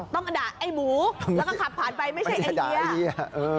ต้องด่าไอ้หมูแล้วก็ขับผ่านไปไม่ใช่ไอเดีย